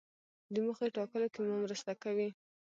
د موخې ټاکلو کې مو مرسته کوي.